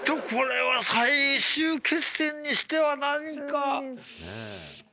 これは最終決戦にしては何か。